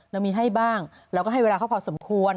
เรามีให้บ้างเราก็ให้เวลาเขาพอสมควร